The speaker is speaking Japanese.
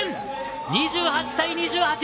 ２８対２８。